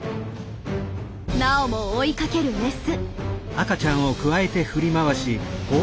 なおも追いかけるメス。